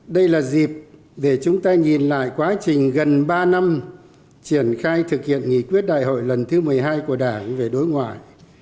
đây là dịp để chúng ta nhìn lại quá trình gần ba năm triển khai thực hiện nghị quyết đại hội lần thứ một mươi hai của đảng về đối ngoại